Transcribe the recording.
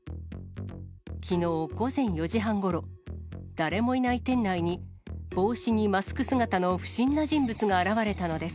きのう午前４時半ごろ、誰もいない店内に、帽子にマスク姿の不審な人物が現れたのです。